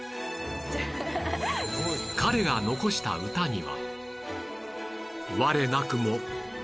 彼が残した歌には